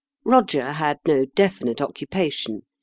87 Eoger had no definite occupation.